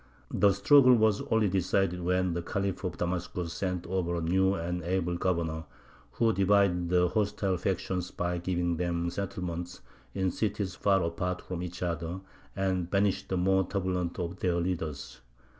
The struggle was only decided when the Khalif of Damascus sent over a new and able governor, who divided the hostile factions by giving them settlements in cities far apart from each other, and banished the more turbulent of their leaders.